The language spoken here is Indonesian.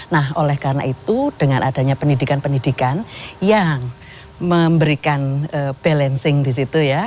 nah oleh karena itu dengan adanya pendidikan pendidikan yang memberikan balancing di situ ya